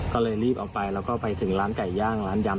ก็เลยรีบออกไปแล้วก็ไปถึงร้านไก่ย่างร้านยำ